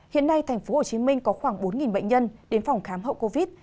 hiện nay tp hcm có khoảng bốn bệnh nhân đến phòng khám hậu covid